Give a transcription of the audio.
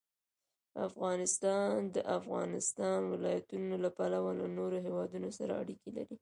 افغانستان د د افغانستان ولايتونه له پلوه له نورو هېوادونو سره اړیکې لري.